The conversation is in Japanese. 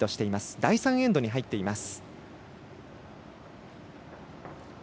第３エンドに入っています。